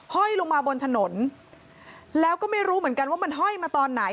ห้อยลงมาบนถนนแล้วก็ไม่รู้เหมือนกันว่ามันห้อยมาตอนไหน